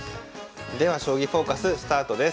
では「将棋フォーカス」スタートです。